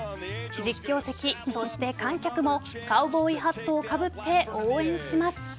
実況席、そして観客もカウボーイハットをかぶって応援します。